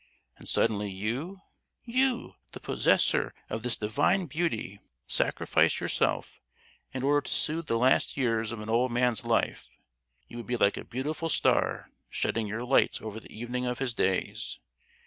And suddenly you, you, the possessor of this divine beauty, sacrifice yourself, in order to soothe the last years of an old man's life! You would be like a beautiful star, shedding your light over the evening of his days.